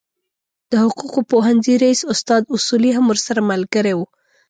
د حقوقو پوهنځي رئیس استاد اصولي هم ورسره ملګری و.